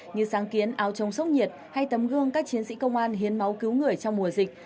như sáng kiến áo chống sốc nhiệt hay tấm gương các chiến sĩ công an hiến máu cứu người trong mùa dịch